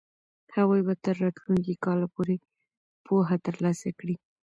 هغوی به تر راتلونکي کاله پورې پوهه ترلاسه کړي.